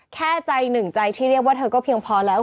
แค่ใจหนึ่งใจที่เรียกว่าเธอก็เพียงพอแล้ว